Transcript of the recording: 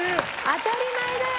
当たり前だよ！